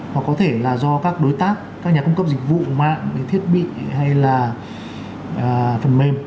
hoặc có thể là do các đối tác các nhà cung cấp dịch vụ mạng thiết bị hay là phần mềm